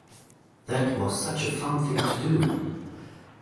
That was such a fun thing to do!